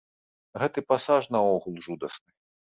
Гэты пасаж наогул жудасны.